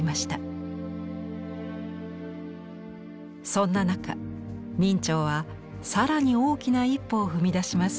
そんな中明兆は更に大きな一歩を踏み出します。